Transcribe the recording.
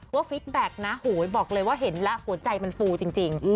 ฟิตแบ็คนะโหยบอกเลยว่าเห็นแล้วหัวใจมันฟูจริง